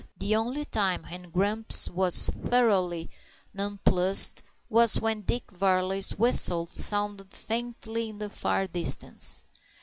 The only time when Grumps was thoroughly nonplussed was when Dick Varley's whistle sounded faintly in the far distance.